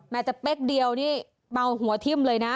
จะเป๊กเดียวนี่เมาหัวทิ่มเลยนะ